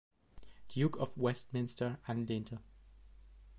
Duke of Westminster, anlehnte.